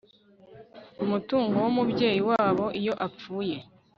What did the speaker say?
umutungo w'umubyeyi wabo iyo apfuye